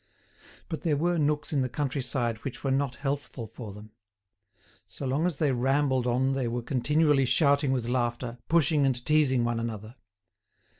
But there were nooks in the country side which were not healthful for them. So long as they rambled on they were continually shouting with laughter, pushing and teasing one another.